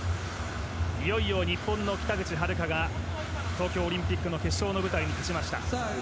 いよいよ日本の北口榛花が東京オリンピックの決勝の舞台に立ちました。